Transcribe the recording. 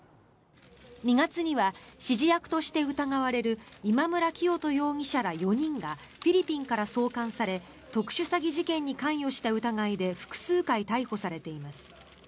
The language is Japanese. ２月には指示役として疑われる今村磨人容疑者ら４人がフィリピンから送還され特殊詐欺事件に関与した疑いで複数回逮捕されています。